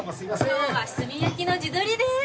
今日は炭焼きの地鶏です。